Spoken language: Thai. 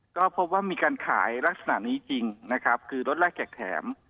ก็พบว่ามีการขายลักษณะนี้จริงนะครับคือรถแรกแจกแถม